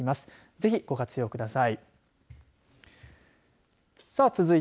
ぜひ、ご活用ください。